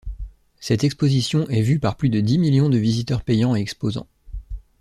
Cette Exposition est vue par plus de dix millions de visiteurs payants et exposants.